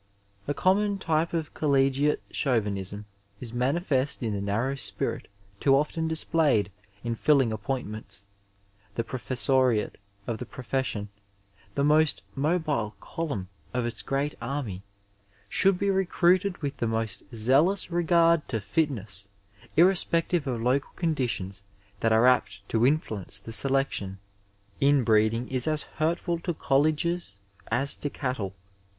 A common type of collegiate Chauvinism is manifest in the narrow spirit too often displayed in filling appoint ments. The professoriate of the profession, the most mobile column of its great army, should be recruited with the most zealous regard to fitness, irrespective of local conditions that are apt to influence the selection. In 296 Digitized by Google CHAUVINISM IN MEDICINE breeding is as hurtful to colleges as to cattle.